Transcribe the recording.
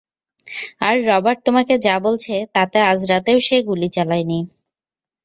আর Robert তোমাকে যা বলছে, তাতে আজ রাতেও সে গুলি চালায়নি।